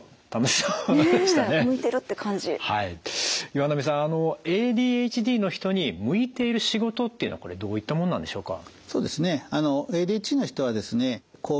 岩波さんあのＡＤＨＤの人に向いている仕事っていうのはこれどういったものなんでしょうか。